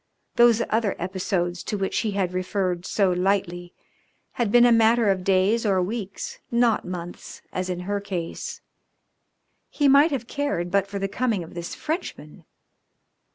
Those other episodes to which he had referred so lightly had been a matter of days or weeks, not months, as in her case. He might have cared but for the coming of this Frenchman.